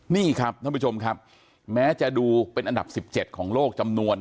นี่ครับท่านผู้ชมครับแม้จะดูเป็นอันดับ๑๗ของโลกจำนวน